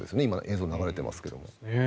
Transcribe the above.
今、映像が流れてますけど。